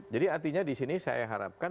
jadi artinya disini saya harapkan